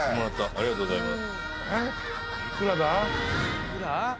ありがとうございます。